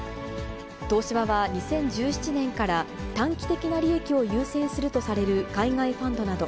東芝は２０１７年から短期的な利益を優先するとされる海外ファンドなど、